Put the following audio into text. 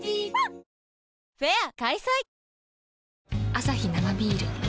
アサヒ生ビール